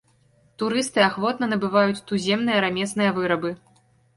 Турысты ахвотна набываюць туземныя рамесныя вырабы.